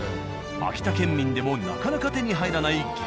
秋田県民でもなかなか手に入らない激